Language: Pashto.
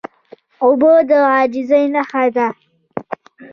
اوبه د عاجزۍ نښه ده.